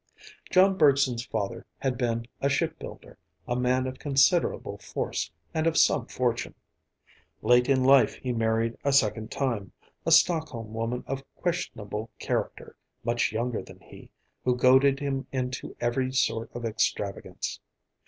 John Bergson's father had been a shipbuilder, a man of considerable force and of some fortune. Late in life he married a second time, a Stockholm woman of questionable character, much younger than he, who goaded him into every sort of extravagance.